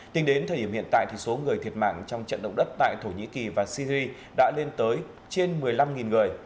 tính đến thời điểm hiện tại số người thiệt mạng trong trận động đất tại thổ nhĩ kỳ và syri đã lên tới trên một mươi năm người